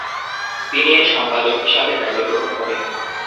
তিনি এর সম্পাদক হিসাবে দায়িত্ব গ্রহণ করেন।